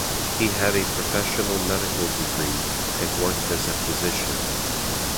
He had a professional medical degree, and worked as a physician.